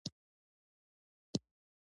صبغت الله خان شکایت کاوه.